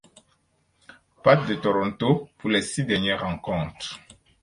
Pats de Toronto pour les six dernières rencontres.